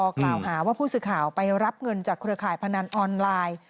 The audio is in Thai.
กล่าวหาว่าผู้สื่อข่าวไปรับเงินจากเครือข่ายพนันออนไลน์